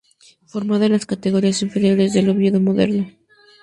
Formada en las categorías inferiores del Oviedo Moderno.